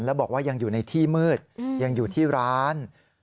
แล้วบอกว่ายังอยู่ในที่มืดยังอยู่ที่ร้าน